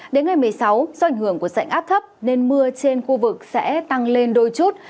đến ngày một mươi sáu do ảnh hưởng của sảnh áp thấp nên mưa trên khu vực sẽ tăng lên đôi chút